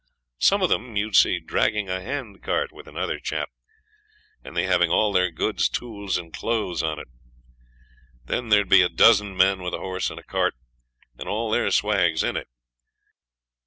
Some of them you'd see dragging a hand cart with another chap, and they having all their goods, tools, and clothes on it. Then there'd be a dozen men, with a horse and cart, and all their swags in it.